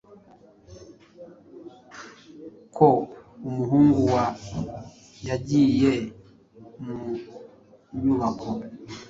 Ko umuhungu wa yagiye mu nyubako